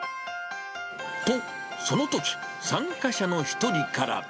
と、そのとき、参加者の一人から。